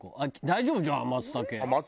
大丈夫じゃん松茸。